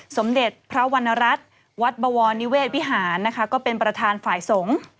สมเด็จพระวรรณรัฐวัดบวรนิเวศวิหารนะคะก็เป็นประธานฝ่ายสงฆ์